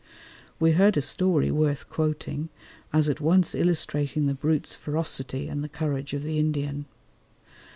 We heard a story worth quoting, as at once illustrating the brute's ferocity and the courage of the Indian.